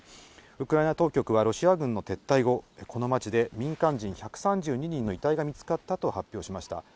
ウクライナ当局は、ロシア軍の撤退後、この町で民間人１３２人の遺体が見つかったと発表しました。